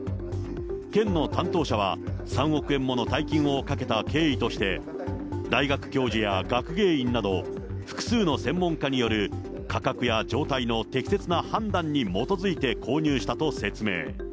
県の担当者は、３億円もの大金をかけた経緯として、大学教授や学芸員など、複数の専門家による価格や状態の適切な判断に基づいて購入したと説明。